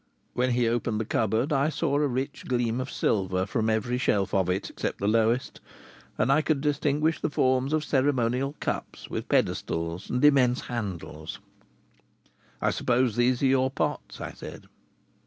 When he opened the cupboard I saw a rich gleam of silver from every shelf of it except the lowest, and I could distinguish the forms of ceremonial cups with pedestals and immense handles. "I suppose these are your pots?" I said.